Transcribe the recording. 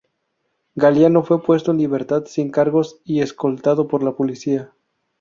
Galliano fue puesto en libertad sin cargos y escoltado por la policía.